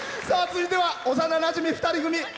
続いては幼なじみ２人組。